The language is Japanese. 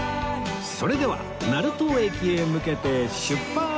それでは成東駅へ向けて出発！